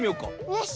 よし。